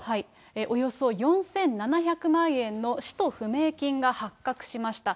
およそ４７００万円の使途不明金が発覚しました。